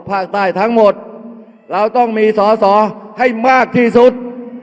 ภาคใต้ทั้งหมดเราต้องมีสอสอให้มากที่สุด